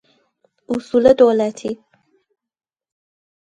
اصول دولتی